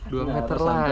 dua meter lah